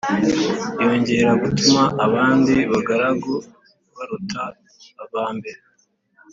Yongera gutuma abandi bagaragu baruta aba mbere